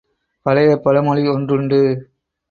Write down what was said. பழைய பழமொழி ஒன்றுண்டு!